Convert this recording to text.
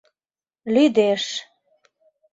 Лӱдеш.